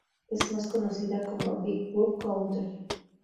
Es más conocida como Big Buck Country.